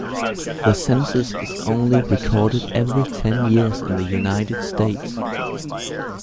The census is only recorded every ten years in the United States.